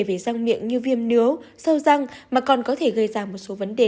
về răng miệng như viêm níu sâu răng mà còn có thể gây ra một số vấn đề